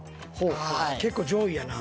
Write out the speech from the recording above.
結構上位やな。